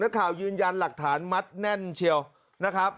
ข่าวยืนยันหลักฐานมัดแน่นเชียวนะครับ